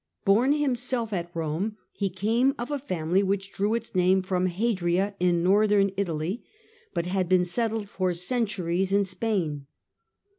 Born himself at Rome, he came of a family which drew its name from Hadria in Northern Italy, but had been settled for centuries in Spain.